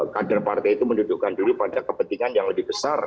kader partai itu mendudukkan diri pada kepentingan yang lebih besar